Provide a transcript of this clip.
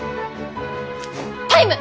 タイム！